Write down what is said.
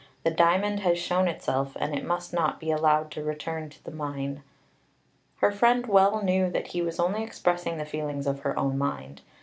The diamond has shown itself, and it must not be allowed to return to the mine." Her friend well knew that he was only expressing the feelings of her own mind.